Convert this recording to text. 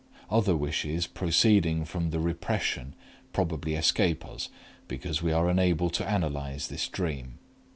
Other wishes proceeding from the repression probably escape us, because we are unable to analyze this dream.